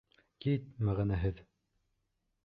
— Кит, мәғәнәһеҙ.